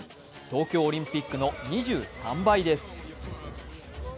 東京オリンピックの２３倍です。